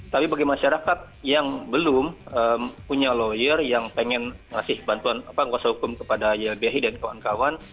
tapi bagi masyarakat yang belum punya lawyer yang pengen ngasih bantuan kuasa hukum kepada ylbhi dan kawan kawan